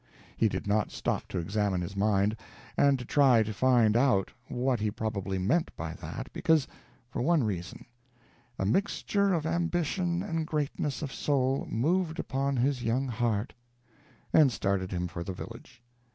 He did not stop to examine his mind, and to try to find out what he probably meant by that, because, for one reason, "a mixture of ambition and greatness of soul moved upon his young heart," and started him for the village.